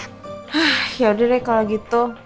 ah yaudah deh kalau gitu